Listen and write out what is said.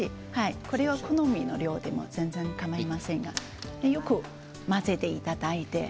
これは、好みの量で全然かまいませんがよく混ぜていただいて。